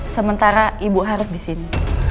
sementara ibu harus di sini